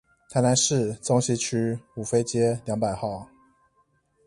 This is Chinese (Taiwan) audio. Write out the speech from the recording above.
台南市中西區五妃街兩百號